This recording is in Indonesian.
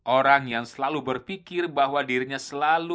orang yang selalu berpikir bahwa dirinya selalu